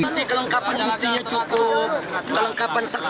tapi kelengkapan buktinya cukup kelengkapan saksinya